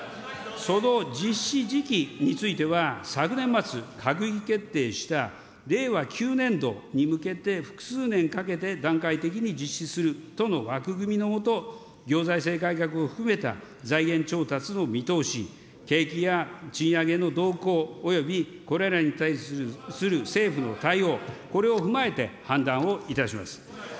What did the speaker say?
その実施時期については、昨年末、閣議決定した令和９年度に向けて複数年かけて段階的に実施するとの枠組みのもと、行財政改革を含めた財源調達の見通し、景気や賃上げの動向およびこれらに対する政府の対応、これを踏まえて判断をいたします。